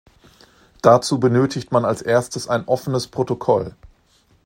Dazu benötigt man als Erstes ein offenes Protokoll.